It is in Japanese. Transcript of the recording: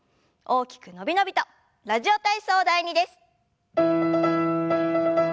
大きく伸び伸びと「ラジオ体操第２」です。